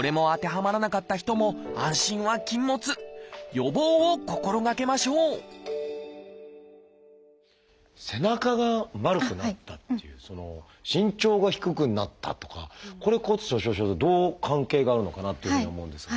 予防を心がけましょう「背中が丸くなった」っていう「身長が低くなった」とかこれ骨粗しょう症とどう関係があるのかなっていうふうに思うんですが。